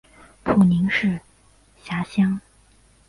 普宁市辖乡。